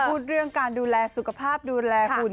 พูดเรื่องการดูแลสุขภาพดูแลหุ่น